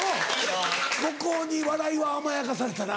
母校に笑いは甘やかされたな。